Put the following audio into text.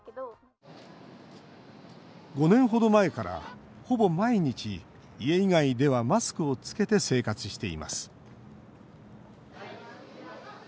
５年程前から、ほぼ毎日家以外ではマスクをつけて生活しています。